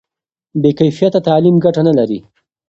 بې کیفیته تعلیم ګټه نه لري.